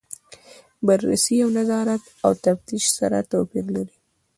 بررسي او نظارت او تفتیش سره توپیر لري.